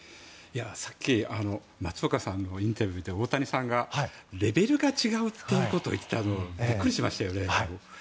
さっき、松岡さんのインタビューで大谷さんがレベルが違うっていうことを言ってたのビックリしましたよ。